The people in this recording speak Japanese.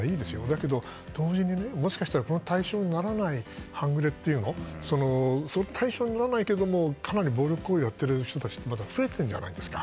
だけど同時にこの対象にならない半グレというかそういう対象にならないけどかなり暴力行為をやっている人たちが増えてるじゃないですか。